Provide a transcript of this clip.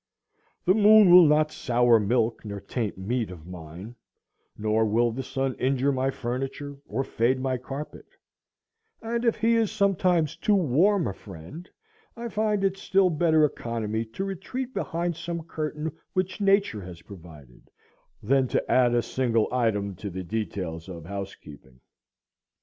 The moon will not sour milk nor taint meat of mine, nor will the sun injure my furniture or fade my carpet, and if he is sometimes too warm a friend, I find it still better economy to retreat behind some curtain which nature has provided, than to add a single item to the details of housekeeping.